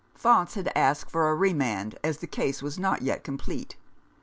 Faunce had asked for a remand, as the case was not yet complete.